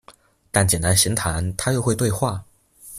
但簡單閒談，他又會對話